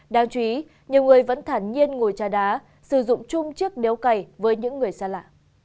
đáng chú ý nhiều người vẫn thản nhiên ngồi trà đá sử dụng chung chiếc đéo cày với những người xa lạ